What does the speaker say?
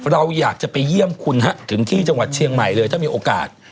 เราอยากจะไปเยี่ยมคุณฮะถึงที่จังหวัดเชียงใหม่เลยถ้ามีโอกาส